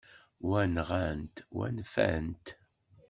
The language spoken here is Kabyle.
Wa, nɣan-t, wa nfant-t.